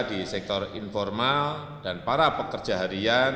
di sektor informal dan para pekerja harian